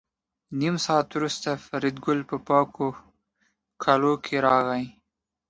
نیم ساعت وروسته فریدګل په پاکو کالو کې راغی